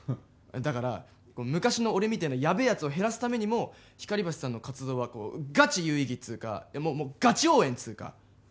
だから、昔の俺みたいなやべえやつを減らすためにも光橋さんの活動はガチ有意義っつうかもうもうガチ応援っつうか。